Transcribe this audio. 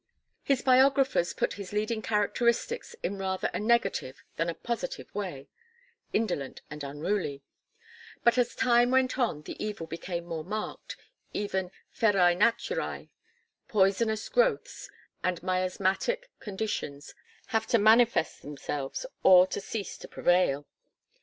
His biographers put his leading characteristics in rather a negative than a positive way "indolent and unruly"; but as time went on the evil became more marked even ferae naturae, poisonous growths, and miasmatic conditions have to manifest themselves or to cease to prevail.